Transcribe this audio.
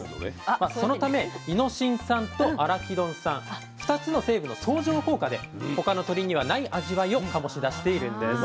そのためイノシン酸とアラキドン酸２つの成分の相乗効果で他の鶏にはない味わいを醸し出しているんです。